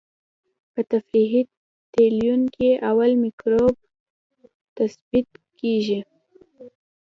په تفریقي تلوین کې اول مکروب تثبیت کیږي.